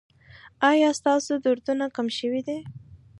ایا ستاسو دردونه کم شوي دي؟